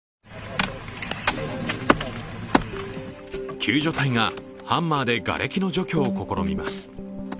救助隊がハンマーでがれきの除去を試みます。